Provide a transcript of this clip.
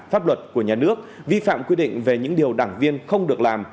pháp luật của nhà nước vi phạm quy định về những điều đảng viên không được làm